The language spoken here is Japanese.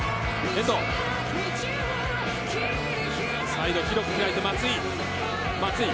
サイド、広く開いて松井。